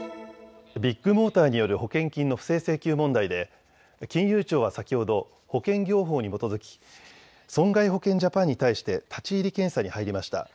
ビッグモーターによる保険金の不正請求問題で金融庁は先ほど保険業法に基づき損害保険ジャパンに対して立ち入り検査に入りました。